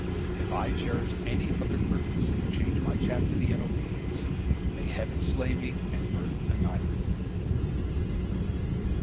If I cherish any other purpose and change my chastity and obedience, may Heaven slay me and earth annihilate me."